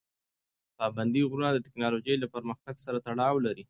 پابندي غرونه د تکنالوژۍ له پرمختګ سره هم تړاو لري.